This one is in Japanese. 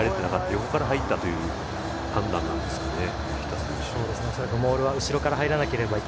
横から入ったという判断なんですかね。